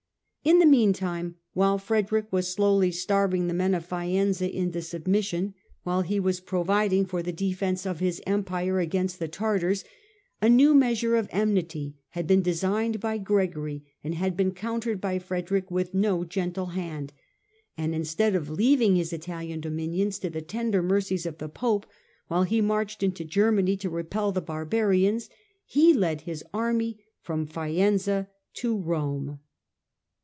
In the meantime, while Frederick was slowly starving the men of Faenza into submission, while he was pro 190 STUPOR MUNDI viding for the defence of his Empire against the Tartars, a new measure of enmity had been designed by Gregory and had been countered by Frederick with no gentle hand ; and instead of leaving his Italian dominions to the tender mercies of the Pope while he marched into Germany to repel the barbarians, he led his army from Faenza to Rome.